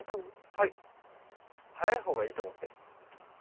はい早いほうがいいと思って。